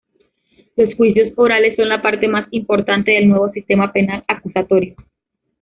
Los juicios orales son la parte más importante del nuevo sistema penal acusatorio.